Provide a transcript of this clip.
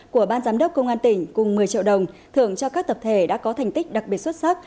của ban giám đốc công an tỉnh cùng một mươi triệu đồng thưởng cho các tập thể đã có thành tích đặc biệt xuất sắc